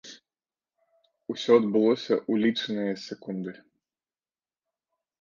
Усё адбылося ў лічаныя секунды.